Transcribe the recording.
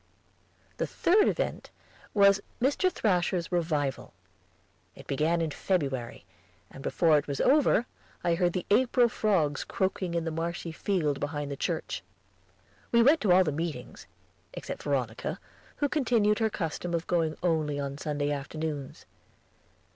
The third event was Mr. Thrasher's revival. It began in February, and before it was over, I heard the April frogs croaking in the marshy field behind the church. We went to all the meetings, except Veronica, who continued her custom of going only on Sunday afternoons.